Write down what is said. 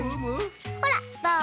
ほらっどう？